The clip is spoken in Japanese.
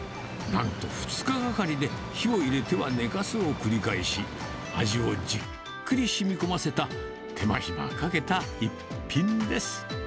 なんと２日がかりで火を入れては寝かすを繰り返し、味をじっくりしみこませた、手間暇かけた一品です。